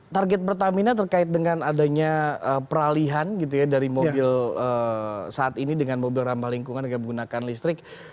target pertamina terkait dengan adanya peralihan gitu ya dari mobil saat ini dengan mobil ramah lingkungan dengan menggunakan listrik